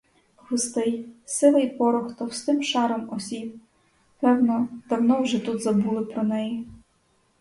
Густий, сивий порох товстим шаром осів, певно, давно вже тут забули про неї.